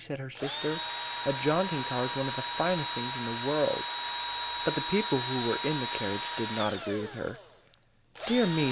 said her sister. "A jaunting car is one of the finest things in the world." But the people who were in the carriage did not agree with her. "Dear me!"